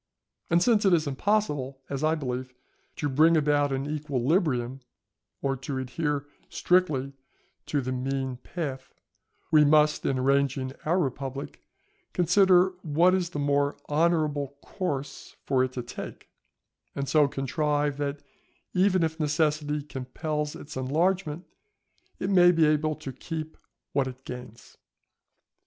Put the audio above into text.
And since it is impossible, as I believe, to bring about an equilibrium, or to adhere strictly to the mean path, we must, in arranging our republic, consider what is the more honourable course for it to take, and so contrive that even if necessity compel its enlargement, it may be able to keep what it gains.